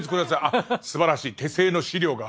あっすばらしい手製の資料が。